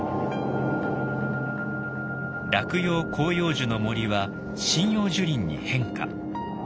落葉広葉樹の森は針葉樹林に変化。